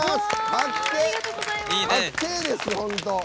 かっけえです、本当！